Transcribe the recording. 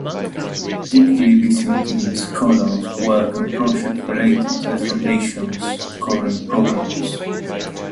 Typically Visiting Scholars work on projects related to the Foundation's current programs.